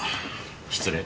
失礼。